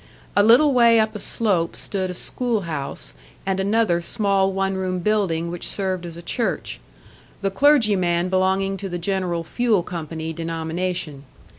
A little way up a slope stood a school house, and another small one room building which served as a church; the clergyman belonging to the General Fuel Company denomination.